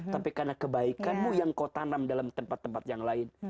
tapi karena kebaikanmu yang kau tanam dalam tempat tempat yang lain